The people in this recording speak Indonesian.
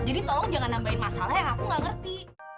jadi tolong jangan nambahin masalah yang aku gak ngerti